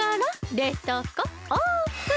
冷凍庫オープン！